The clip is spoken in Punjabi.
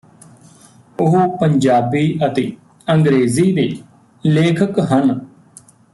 ਉਹ ਪੰਜਾਬੀ ਅਤੇ ਅੰਗਰੇਜ਼ੀ ਦੇ ਲੇਖਕ ਹਨ